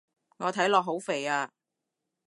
我睇落好肥啊